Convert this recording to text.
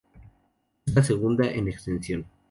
Es la segunda en extensión.